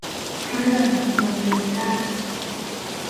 เรื่อง เมืองเดินได้